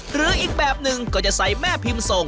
หรืออีกแบบหนึ่งก็จะใส่แม่พิมพ์ส่ง